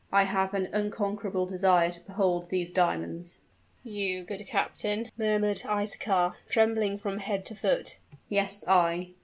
"I have an unconquerable desire to behold these diamonds " "You, good captain!" murmured Isaachar, trembling from head to foot. "Yes, I!